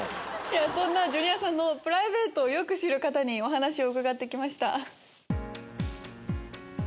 そんなジュニアさんのプライベートをよく知る方にお話を伺って来ました。